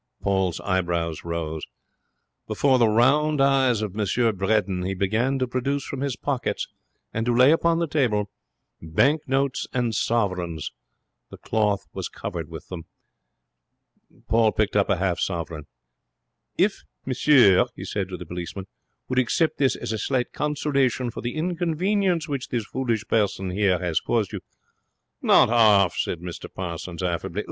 Paul's eyebrows rose. Before the round eyes of M. Bredin he began to produce from his pockets and to lay upon the table bank notes and sovereigns. The cloth was covered with them. He picked up a half sovereign. 'If monsieur,' he said to the policeman, 'would accept this as a slight consolation for the inconvenience which this foolish person here has caused him ' 'Not half,' said Mr Parsons, affably.